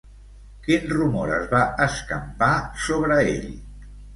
Quin rumor es va escampar sobre ell?